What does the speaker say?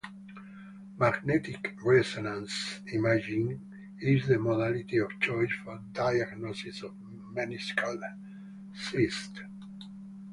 Magnetic resonance imaging is the modality of choice for diagnosis of meniscal cysts.